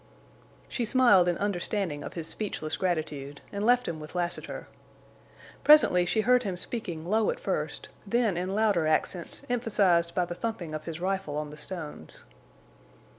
She smiled in understanding of his speechless gratitude, and left him with Lassiter. Presently she heard him speaking low at first, then in louder accents emphasized by the thumping of his rifle on the stones.